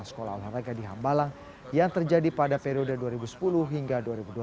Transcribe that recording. sekolah olahraga di hambalang yang terjadi pada periode dua ribu sepuluh hingga dua ribu dua puluh